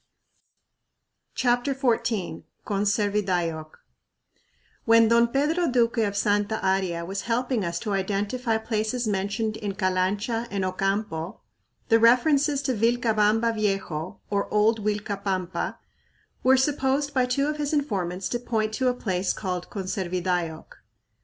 CHAPTER XIV Conservidayoc When Don Pedro Duque of Santa Aria was helping us to identify places mentioned in Calancha and Ocampo, the references to "Vilcabamba Viejo," or Old Uilcapampa, were supposed by two of his informants to point to a place called Conservidayoc.